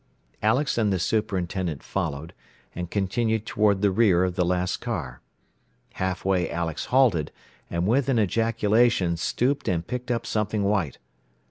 Alex and the superintendent followed, and continued toward the rear of the last car. Half way Alex halted, and with an ejaculation stooped and picked up something white.